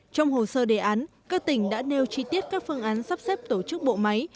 trong hồ sơ đề án các tỉnh đã nêu chi tiết các phương án sắp xếp tổ chức bộ máy